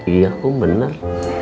iya kum bener